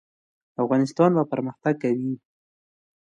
افغانستان به پرمختګ کوي؟